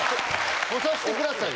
来さしてくださいよ。